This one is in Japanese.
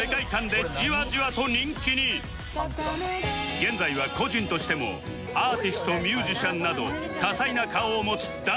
現在は個人としてもアーティストミュージシャンなど多彩な顔を持つ大人気芸人